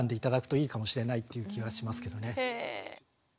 いいかもしれないっていう気はしますけどね。